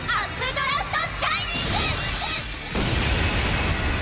ドラフト・シャイニング！